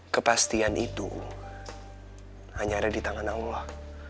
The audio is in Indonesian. kepastian itu hanya ada di tangan allah